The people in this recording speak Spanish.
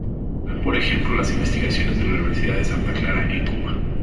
Tal por ejemplo las investigaciones de la Universidad de Santa Clara en Cuba.